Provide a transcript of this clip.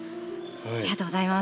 ありがとうございます。